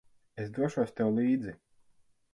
Es došos tev līdzi.